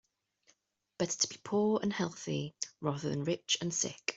Better to be poor and healthy rather than rich and sick.